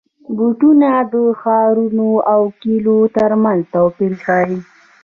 بوټونه د ښارونو او کلیو ترمنځ توپیر ښيي.